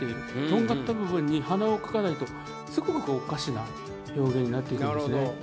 とんがった部分に鼻を描かないとすごくおかしな表現になっていきますね。